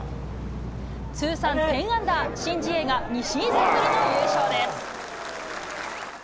通算１０アンダー、申ジエが２シーズンぶりの優勝です。